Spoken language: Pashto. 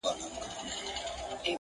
آذان پردی، چړي پردی وي خپل مُلا نه لري؛